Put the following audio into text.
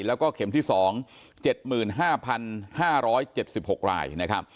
แล้วก็เข็มที่๒๗๕๕๗๖ราย